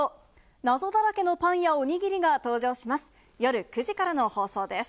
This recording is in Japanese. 謎だらけのパンやおにぎりが登場します。